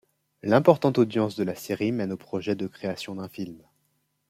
L'importante audience de la série mène au projet de création d'un film.